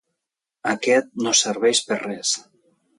Aquest no serveix per res.